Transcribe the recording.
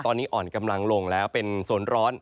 ตอนนี้อ่อนกำลังลงแล้วเป็นโซนร้อน